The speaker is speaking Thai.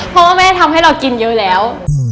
เพราะว่าแม่ทำให้เรากินเยอะแล้ว